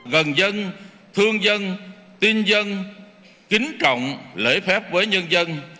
gần dân thương dân tin dân kính trọng lễ phép với nhân dân